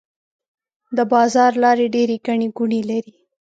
د بازار لارې ډيرې ګڼې ګوڼې لري.